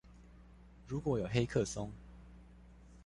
如果有黑客松